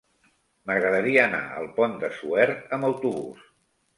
M'agradaria anar al Pont de Suert amb autobús.